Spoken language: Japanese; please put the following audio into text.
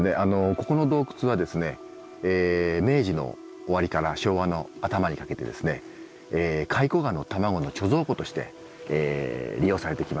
ここの洞窟はですね明治の終わりから昭和の頭にかけてカイコガの卵の貯蔵庫として利用されてきました。